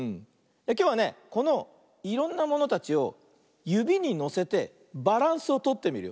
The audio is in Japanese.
きょうはねこのいろんなものたちをゆびにのせてバランスをとってみるよ。